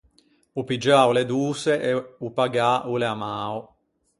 O piggiâ o l’é doçe e o pagâ o l’é amao.